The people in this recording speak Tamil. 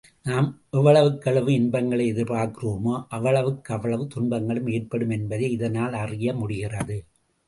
நாம் எவ்வளவுக்கெவ்வளவு இன்பங்களை எதிர்பார்க்கிறோமோ அவ்வளவுக்கவ்வளவு துன்பங்களும் ஏற்படும் என்பதை இதனால் அறிய முடிகிறது.